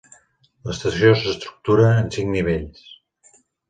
L'estació s'estructura en cinc nivells.